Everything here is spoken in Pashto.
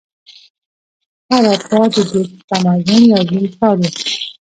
هراپا د دې تمدن یو لوی ښار و.